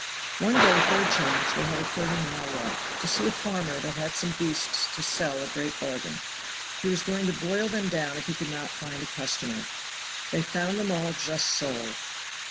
One day for a change they had a thirty mile walk, to see a farmer that had some beasts to sell a great bargain; he was going to boil them down if he could not find a customer. They found them all just sold.